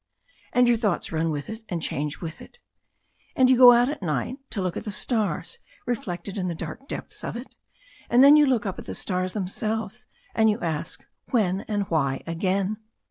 And your thoughts run with it and change with it. And you go out at night to look at the stars reflected in the dark depths of it, and then you look up at the stars themselves, and you ask when and why again.